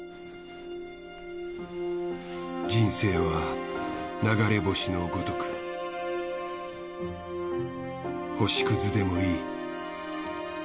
人生は流れ星のごとく星屑でもいい。